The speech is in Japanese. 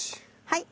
はい。